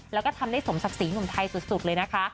แล้วก็ทำได้สมศักดิ์ศรีหนุ่มไทยสุดเลยนะคะ